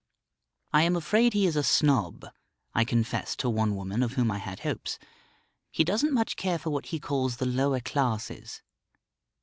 "I am afraid he is a snob," I confessed to one woman of whom I had hopes. "He doesn't much care for what he calls the lower classes."